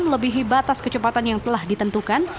melebihi batas kecepatan yang telah ditentukan